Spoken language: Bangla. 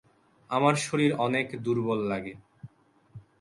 আমার শরীর অনেক দূর্বল লাগে।